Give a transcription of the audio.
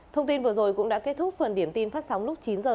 thông tin vừa rồi cũng đã kết thúc phần điểm tin phát sóng lúc chín h trên antv